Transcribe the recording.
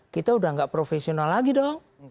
kita udah gak profesional lagi dong